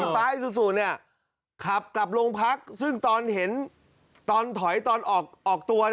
ยังพลาคะซูซูนขับกลับรถโรงพักซึ่งตอนเห็นเถาะอย่างเต๋อยเต๋ไวน์ออกตัว